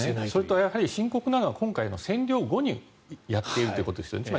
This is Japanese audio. あとやはり深刻なのは占領後にやっているということですね。